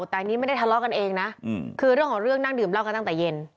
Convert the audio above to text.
แต่อันนี้ไม่ได้ทะเลาะกันเองนะคือเรื่องของเรื่องนั่งดื่มเหล้ากันตั้งแต่เย็น